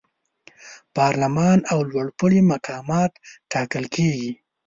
پارلمان او لوړپوړي مقامات ټاکل کیږي.